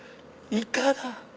イカだ！